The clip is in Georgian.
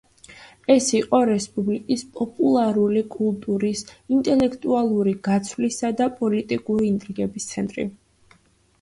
ეს იყო რესპუბლიკის პოპულარული კულტურის, ინტელექტუალური გაცვლისა და პოლიტიკური ინტრიგების ცენტრი.